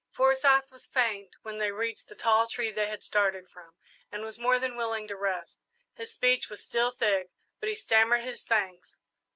Forsyth was faint when they reached the tall tree they had started from, and was more than willing to rest. His speech was still thick, but he stammered his thanks.